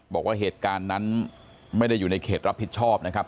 บอกว่าเหตุการณ์นั้นไม่ได้อยู่ในเขตรับผิดชอบนะครับ